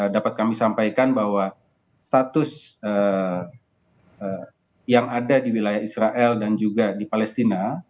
dapat kami sampaikan bahwa status yang ada di wilayah israel dan juga di palestina